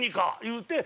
言うて。